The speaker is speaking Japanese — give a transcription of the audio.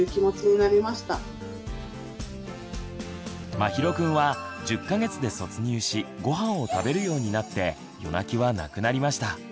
まひろくんは１０か月で卒乳しごはんを食べるようになって夜泣きはなくなりました。